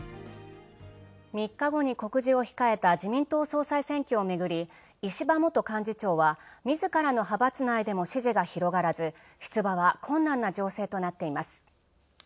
３日後に告示を控えた自民党総裁選をめぐり、石破元幹事長は、自らの派閥内でも支持が広がらず出馬は困難な情勢となっています。